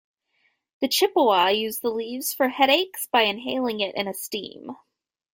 The Chippewa used the leaves for headaches by inhaling it in a steam.